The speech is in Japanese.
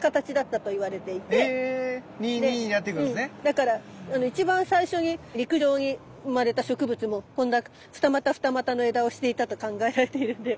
だから一番最初に陸上に生まれた植物もこんな二股二股の枝をしていたと考えられているんで。